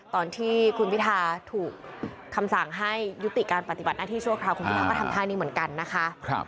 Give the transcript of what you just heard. ตอนที่คุณพิทาถูกคำสั่งให้ยุติการปฏิบัติหน้าที่ชั่วคราวคุณพิทาก็ทำท่านี้เหมือนกันนะคะ